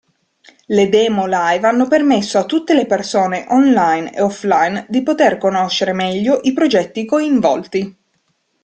Le demo live hanno permesso a tutte le persone Online e Offline di poter conoscere meglio i progetti coinvolti.